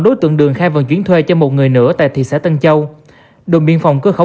đối tượng đường khai vận chuyển thuê cho một người nữa tại thị xã tân châu đồn biên phòng cơ khẩu